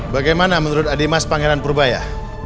bagaimana menurut adimas pangeran purbaya